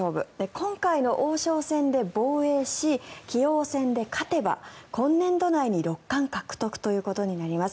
今回の王将戦で防衛し棋王戦で勝てば今年度内に六冠獲得となります。